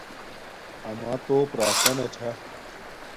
اما توپ راکنہ چھا